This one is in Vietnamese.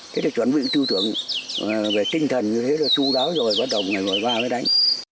thế là chuẩn bị tư tưởng về tinh thần như thế là chu đáo rồi bắt đầu ngày mười ba mới đánh